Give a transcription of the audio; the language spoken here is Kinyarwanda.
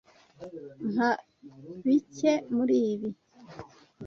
Mpa bike muri ibi.